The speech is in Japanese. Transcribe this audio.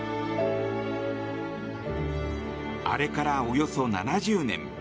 あれからおよそ７０年。